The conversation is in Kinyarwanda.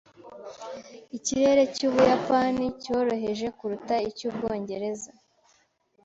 Ikirere cy'Ubuyapani cyoroheje kuruta icy'Ubwongereza.